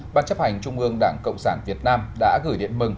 ban chấp hành trung ương đảng cộng sản việt nam đã gửi điện mừng